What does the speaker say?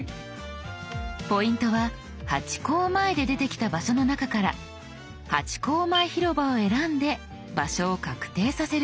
ポイントは「ハチ公前」で出てきた場所の中から「ハチ公前広場」を選んで場所を確定させること。